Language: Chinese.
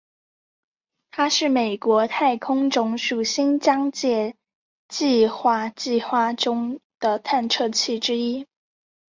它是美国太空总署新疆界计画计划中的探测器之一。